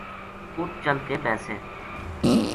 اُت چل کے بیسے